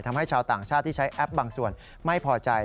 ทำให้ชาวต่างชาติที่ใช้แอปบางส่วนไม่พอใจ